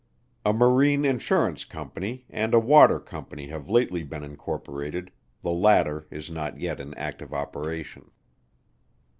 A Marine Insurance Company, and a Water Company have lately been incorporated; the latter is not yet in active operation.